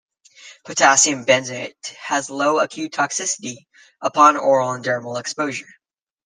Potassium benzoate has low acute toxicity upon oral and dermal exposure.